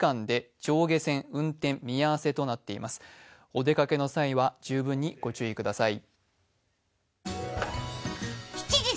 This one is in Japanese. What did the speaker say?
お出かけの際は十分にご注意ください。